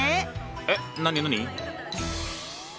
えっ何何？